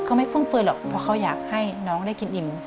เขาไม่ฟุ่มเฟือหรอกเพราะเขาอยากให้น้องได้กินอิ่ม